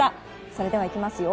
それでは行きますよ。